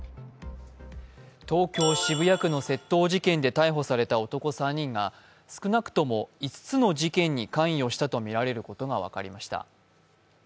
東京・渋谷区の窃盗事件で逮捕された男３人が少なくとも５つの事件に関与したとみられることが分かりました。